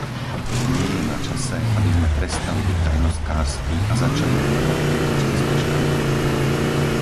Nie je načase, aby sme prestali byť tajnostkársky a začali menovať tieto členské štáty?